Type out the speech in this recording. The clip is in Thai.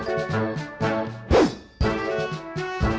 โอ้โอ้